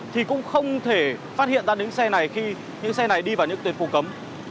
thì cũng không thể phát hiện ra những xe này khi những xe này đi vào những tuyệt phù cấm